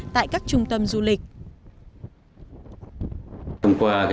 tại các trung tâm du lịch